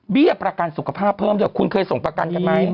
เบี้ยประกันสุขภาพเพิ่มเดี๋ยวคุณเคยส่งประกันกันไหมดีมาก